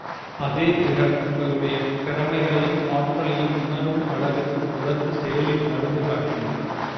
அதே பிறர், உங்களுடைய திறமைகளையும் ஆற்றலையும் உணரும் அளவிற்கு தொடர்ந்து செயலில் நடந்து காட்டுங்கள்!